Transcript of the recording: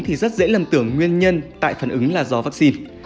thì rất dễ lầm tưởng nguyên nhân tại phản ứng là do vắc xin